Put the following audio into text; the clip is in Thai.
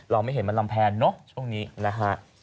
ไม่เห็นมันลำแพนเนอะช่วงนี้นะฮะ